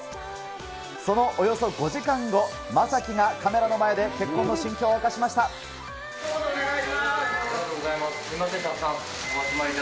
そのおよそ５時間後、将暉がカメラの前で結婚の心境を明かしました。